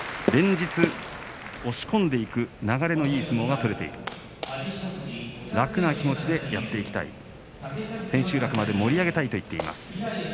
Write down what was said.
連日押し込んでいく流れのいい相撲が取れている楽な気持ちでやっていきたい千秋楽まで盛り上げたいと言っています。